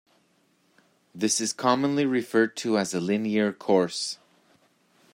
This is commonly referred to as a linear course.